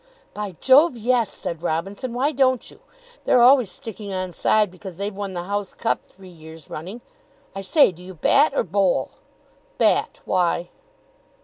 "By Jove, yes," said Robinson. "Why don't you? They're always sticking on side because they've won the house cup three years running. I say, do you bat or bowl?" "Bat. Why?"